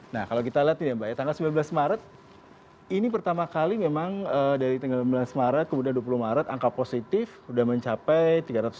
nah kalau kita lihat nih ya mbak ya tanggal sembilan belas maret ini pertama kali memang dari tanggal sembilan belas maret kemudian dua puluh maret angka positif sudah mencapai tiga ratus lima puluh